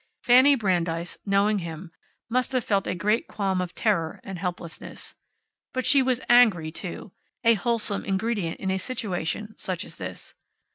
Fanny Brandeis, knowing him, must have felt a great qualm of terror and helplessness. But she was angry, too, a wholesome ingredient in a situation such as this.